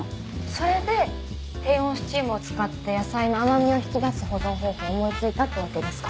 それで低温スチームを使って野菜の甘みを引き出す保存方法を思い付いたってわけですか。